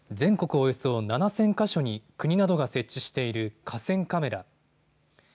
およそ７０００か所に国などが設置している河川カメラ。